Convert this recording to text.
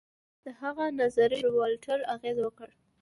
د هغه نظریو پر والټر اغېز وکړ.